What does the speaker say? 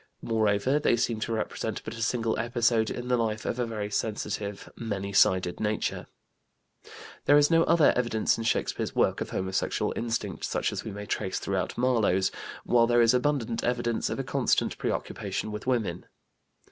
Moreover, they seem to represent but a single episode in the life of a very sensitive, many sided nature. There is no other evidence in Shakespeare's work of homosexual instinct such as we may trace throughout Marlowe's, while there is abundant evidence of a constant preoccupation with women.